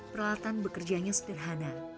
peralatan bekerjanya sederhana